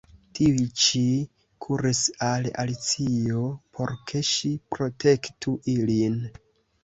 Tiuj ĉi kuris al Alicio por ke ŝi protektu ilin.